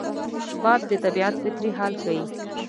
باد د طبیعت فطري حال ښيي